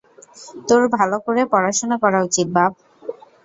তোর ভালো করে পড়াশোনা করা উচিত, বাব।